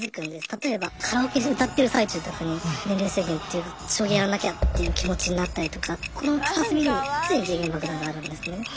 例えばカラオケで歌ってる最中とかに年齢制限っていう将棋やらなきゃっていう気持ちになったりとか心の片隅に常に時限爆弾があるんですね。